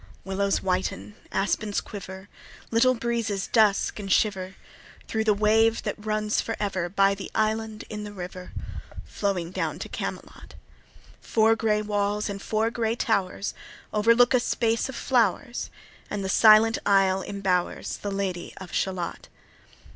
Willows whiten, aspens quiver, Little breezes dusk and shiver Thro' the wave that runs for ever By the island in the river Flowing down to Camelot. Four gray walls, and four gray towers, Overlook a space of flowers, And the silent isle imbowers The Lady of Shalott.